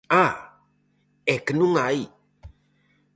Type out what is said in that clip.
¡Ah!, é que non hai.